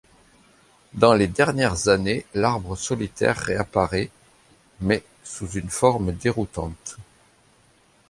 Dans les dernières années, l’arbre solitaire réapparaît, mais, sous une forme déroutante.